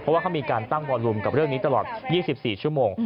เพราะว่าเขามีการตั้งวอลลุมกับเรื่องนี้ตลอด๒๔ชั่วโมง